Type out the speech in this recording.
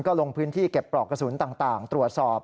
ก็ลงพื้นที่เก็บปลอกกระสุนต่างตรวจสอบ